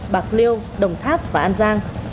bạc liêu đồng tháp và an giang